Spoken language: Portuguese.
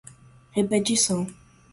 repetição